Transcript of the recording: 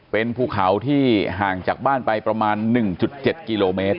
เป็นภูเขาที่ห่างจากบ้านไปประมาณ๑๗กิโลเมตร